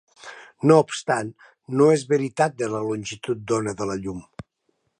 No obstant, no és veritat de la longitud d'ona de la llum.